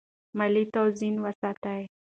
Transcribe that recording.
مالي توازن وساتئ.